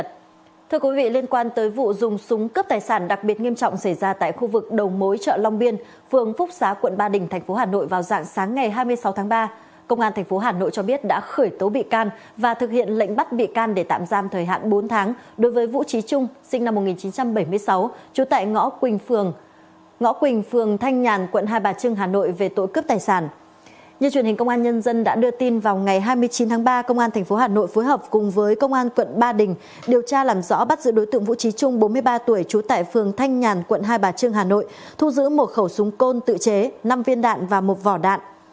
như truyền hình công an nhân dân đã đưa tin vào ngày hai mươi chín tháng ba công an thành phố hà nội phối hợp cùng với công an quận ba đình điều tra làm rõ bắt giữ đối tượng vũ trí chung bốn mươi ba tuổi trú tại phường thanh nhàn quận hai bà trương hà nội thu giữ một khẩu súng côn tự chế năm viên đạn và một vỏ đạn